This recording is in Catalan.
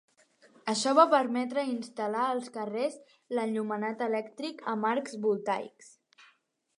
Això va permetre instal·lar als carrers l'enllumenat elèctric amb arcs voltaics.